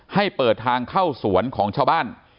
ให้เปิดทางเข้าสวนของชาวบ้าน